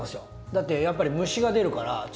だってやっぱり虫が出るから。